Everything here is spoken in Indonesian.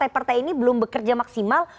partai partai ini belum bekerja maksimal